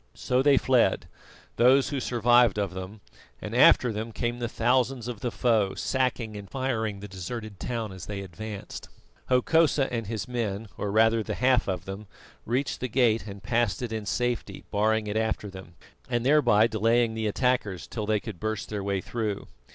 So they fled, those who survived of them, and after them came the thousands of the foe, sacking and firing the deserted town as they advanced. Hokosa and his men, or rather the half of them, reached the gate and passed it in safety, barring it after them, and thereby delaying the attackers till they could burst their way through.